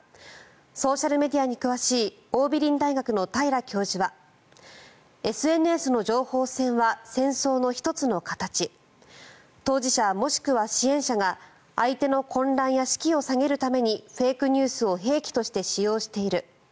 ソーシャルメディアに詳しい桜美林大学の平教授はＳＮＳの情報戦は戦争の１つの形当事者、もしくは支援者が相手の混乱や士気を下げるためにフェイクニュースを兵器として使用している。